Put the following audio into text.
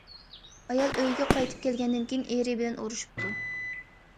ئايال ئۆيىگە قايتىپ كەلگەندىن كېيىن ئېرى بىلەن ئۇرۇشۇپتۇ.